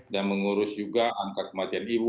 dan mengurus juga angka kematian ibu